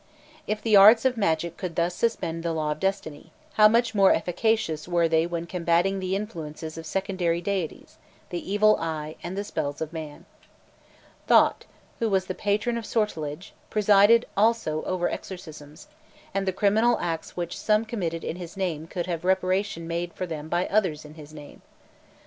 If the arts of magic could thus suspend the law of destiny, how much more efficacious were they when combating the influences of secondary deities, the evil eye, and the spells of man? Thot, who was the patron of sortilege, presided also over exorcisms, and the criminal acts which some committed in his name could have reparation made for them by others in his name.